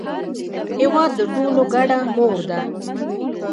هېواد د ټولو ګډه مور ده.